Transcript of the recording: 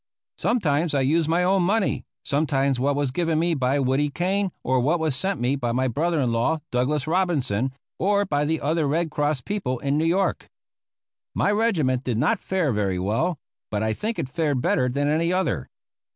Sometimes I used my own money, sometimes what was given me by Woody Kane, or what was sent me by my brother in law, Douglas Robinson, or by the other Red Cross people in New York. My regiment did not fare very well; but I think it fared better than any other.